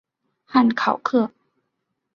汉考克。